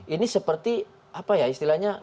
ini seperti apa ya istilahnya